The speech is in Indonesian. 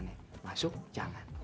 kalau gue masuk jangan ya